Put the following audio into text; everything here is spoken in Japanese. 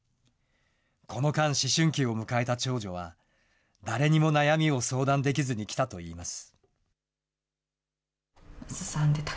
この間、思春期を迎えた長女は、誰にも悩みを相談できずにきたといいます。